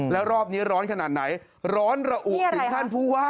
แล้วรอบนี้ร้อนขนาดไหนร้อนระอุถึงท่านผู้ว่า